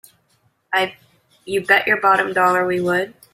You bet your bottom dollar we would!